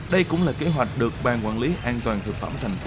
đây cũng là kế hoạch được ban quản lý an toàn thực phẩm thành phố